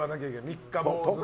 三日坊主。